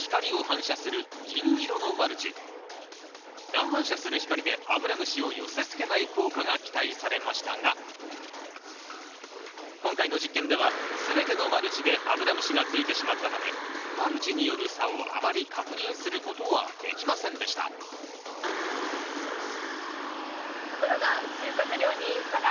乱反射する光でアブラムシを寄せつけない効果が期待されましたが今回の実験では全てのマルチでアブラムシがついてしまったためマルチによる差をあまり確認することはできませんでしたところが収穫量に差がありました。